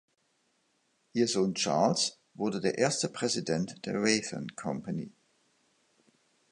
Ihr Sohn Charles wurde der erste Präsident der Raytheon Company.